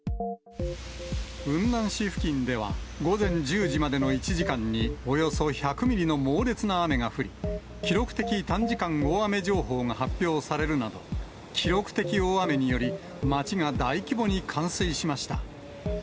雲南市付近では、午前１０時までの１時間におよそ１００ミリの猛烈な雨が降り、記録的短時間大雨情報が発表されるなど、記録的大雨により、街が大規模に冠水しました。